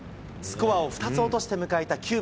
スコアを２つ落として迎えた